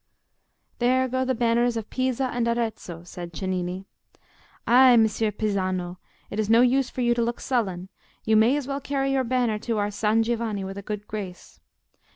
"There go the banners of Pisa and Arezzo," said Cennini. "Ay, Messer Pisano, it is no use for you to look sullen; you may as well carry your banner to our San Giovanni with a good grace.